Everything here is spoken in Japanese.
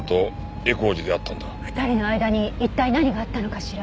２人の間に一体何があったのかしら？